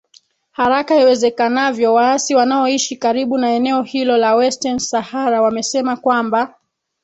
haraka iwezekanavyo waasi wanaoishi karibu na eneo hilo la western sahara wamesema kwamba